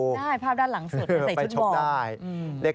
ได้ภาพด้านหลังสุดที่ใส่ชุดบอล